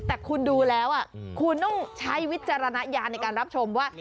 แต่คุณดูแล้วคุณต้องใช้วิจารณญาณในการรับชมว่า